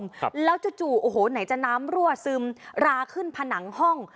ครับแล้วจู่จู่โอ้โหไหนจะน้ำรั่วซึมราขึ้นผนังห้อง